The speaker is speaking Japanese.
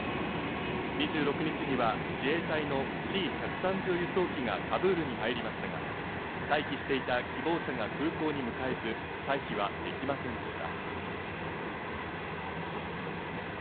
２６日には自衛隊のＣ１３０輸送機がカブールに入りましたが待機していた希望者が空港に向えず退避はできませんでした。